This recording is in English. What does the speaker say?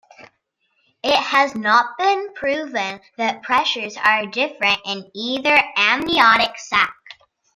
It has not been proven that pressures are different in either amniotic sac.